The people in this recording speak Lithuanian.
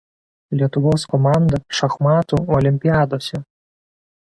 Lietuvos komanda šachmatų olimpiadose.